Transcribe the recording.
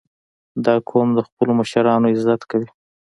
• دا قوم د خپلو مشرانو عزت کوي.